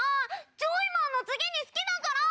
「ジョイマンの次に好きだから！」。